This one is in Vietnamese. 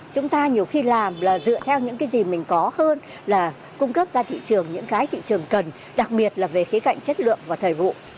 chúng ta nhiều khi làm là dựa theo những cái gì mình có hơn là cung cấp ra thị trường những cái thị trường cần đặc biệt là về khía cạnh chất lượng và thời vụ